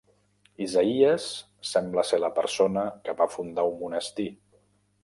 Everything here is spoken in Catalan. Isaïes sembla ser la persona que va fundar un monestir.